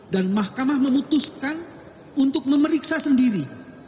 dan mahkamah memutuskan untuk memeriksa sendiri